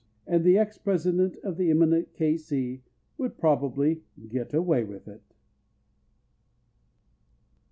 And the ex president or the eminent K. C. would probably "get away with it."